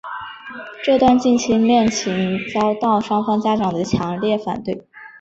这段近亲恋情遭到双方家长的强烈反对。